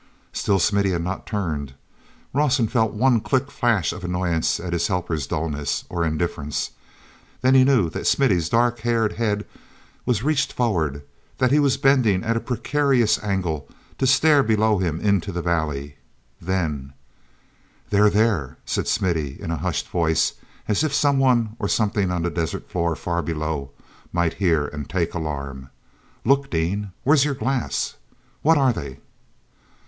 Still Smithy had not turned. Rawson felt one quick flash of annoyance at his helper's dullness—or indifference; then he knew that Smithy's dark haired head was reached forward, that he was bending at a precarious angle to stare below him into the valley. Then: "They're there!" said Smithy in a hushed voice, as if someone or something on that desert floor far below might hear and take alarm. "Look, Dean. Where's your glass? What are they?"